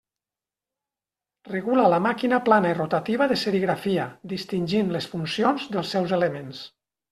Regula la màquina plana i rotativa de serigrafia, distingint les funcions dels seus elements.